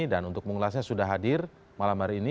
dan untuk mengulasnya sudah hadir malam hari ini